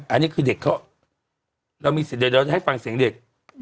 อันนี้คือเด็กเค้าเรามีเสียดีแล้วได้ฟังเสียงเด็ก